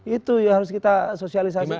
itu yang harus kita sosialisasi